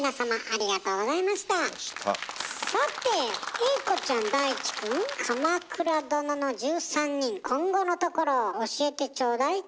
さて栄子ちゃん大地くん「鎌倉殿の１３人」今後のところを教えてちょうだい。